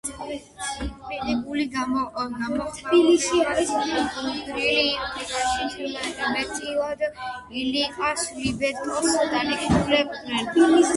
კრიტიკული გამოხმაურება გულგრილი იყო, რაშიც, მეტწილად, ილიკას ლიბრეტოს ადანაშაულებდნენ.